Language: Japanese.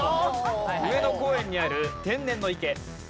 上野公園にある天然の池。